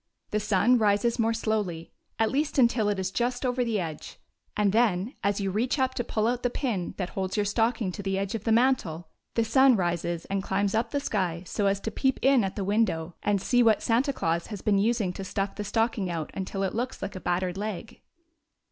The sun rises more slowly, at least until it is just over the edge; and then, as you reach up to pull out the pin that holds your stocking to the edge of the mantel, the sun rises and climbs up the sky so as to peep in at the window and see what Santa Claus has been using to stuff the stocking out until it looks like a battered leg.